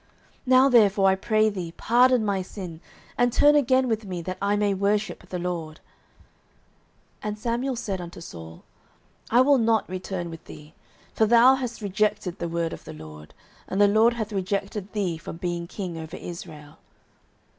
09:015:025 Now therefore, I pray thee, pardon my sin, and turn again with me, that I may worship the LORD. 09:015:026 And Samuel said unto Saul, I will not return with thee: for thou hast rejected the word of the LORD, and the LORD hath rejected thee from being king over Israel.